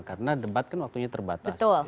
karena debat kan waktunya terbatas